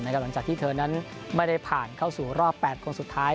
ในกว่าหลังจากที่นั้นไม่ได้ผ่านเข้าสู่รอบแปดกว่าสุดท้าย